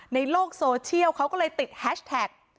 ในโลกโซเชียลเขาก็เลยติดแฮชแท็ก